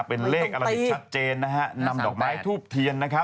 เป็นเลขอลิวิจชัดเจนหนำดอกไม้ทูพเทียน